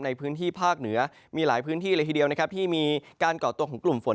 ในพื้นที่ภาคเหนือมีหลายพื้นที่เลยทีเดียวนะครับที่มีการก่อตัวของกลุ่มฝน